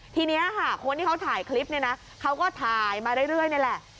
ทีนี้ค่ะคนที่เขาถ่ายคลิปเนี่ยนะเขาก็ถ่ายมาเรื่อยนี่แหละ